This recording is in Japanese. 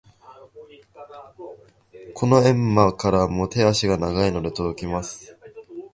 この遠間からも手足が長いので届きます。